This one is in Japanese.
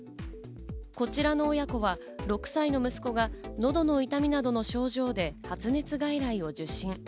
こちらの親子は６歳の息子が、のどの痛みなどの症状で発熱外来を受診。